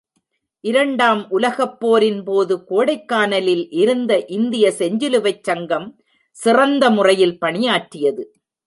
இரண்டாம் உலகப் போரின்போது கோடைக்கானலில் இருந்த இந்திய செஞ்சிலுவைச் சங்கம் சிறந்த முறையில் பணியாற்றியது.